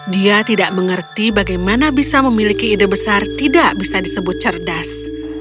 dia tidak mengerti bagaimana bisa memiliki ide besar tidak bisa disebut cerdas